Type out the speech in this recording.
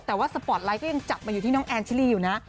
แต่ว่าสปอร์ตไลท์ก็ยังจับมาอยู่ที่น้องแอนชิลีอยู่นะ